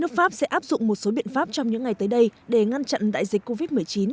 nước pháp sẽ áp dụng một số biện pháp trong những ngày tới đây để ngăn chặn đại dịch covid một mươi chín